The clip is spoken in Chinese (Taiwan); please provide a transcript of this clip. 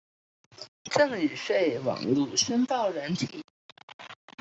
贈與稅網路申報軟體